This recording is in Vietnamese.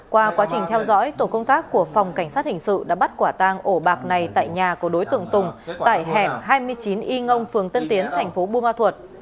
qua quá trình theo dõi tổ công tác của phòng cảnh sát hình sự đã bắt quả tang ổ bạc này tại nhà của đối tượng tùng tại hẻm hai mươi chín y ngông phường tân tiến thành phố bùa thuật